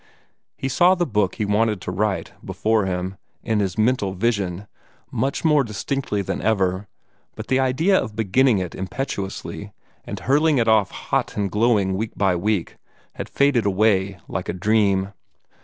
He saw the book he wanted to write before him, in his mental vision, much more distinctly than ever, but the idea of beginning it impetuously, and hurling it off hot and glowing week by week, had faded away like a dream.